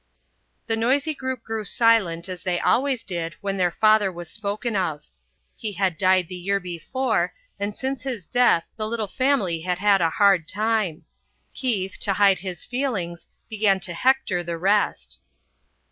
The noisy group grew silent as they always did when their father was spoken of. He had died the year before, and since his death the little family had had a hard time. Keith, to hide his feelings, began to hector the rest.